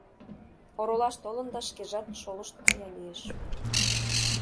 Оролаш толын да шкежат шолышт кая лиеш.